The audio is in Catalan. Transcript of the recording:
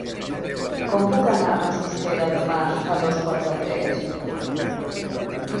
Com puc anar a Susqueda dimarts a dos quarts de tres?